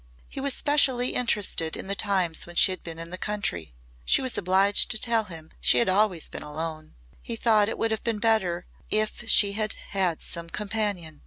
He was specially interested in the times when she had been in the country. She was obliged to tell him she had always been alone. He thought it would have been better if she had had some companion.